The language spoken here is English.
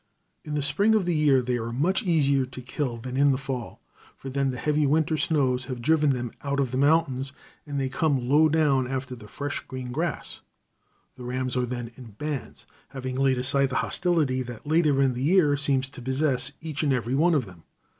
In the spring of the year they are much easier to kill than in the fall, for then the heavy winter snows have driven them out of the mountains, and they come low down after the fresh green grass. The rams are then in bands, having laid aside the hostility that later in the year seems to possess each and every one of them.